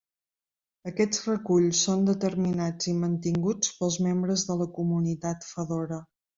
Aquests reculls són determinats i mantinguts pels membres de la Comunitat Fedora.